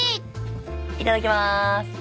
いただきます。